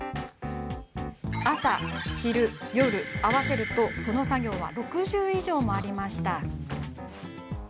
朝、昼、夜合わせるとその作業は６０以上もありました。